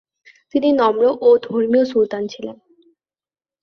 তিনি নম্র ও ধর্মীয় সুলতান ছিলেন।